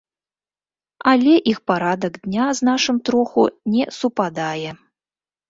Але іх парадак дня з нашым троху не супадае.